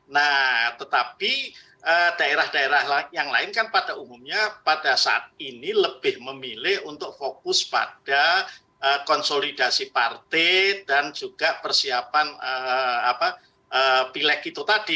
nah tetapi daerah daerah yang lain kan pada umumnya pada saat ini lebih memilih untuk fokus pada konsolidasi partai dan juga persiapan pileg itu tadi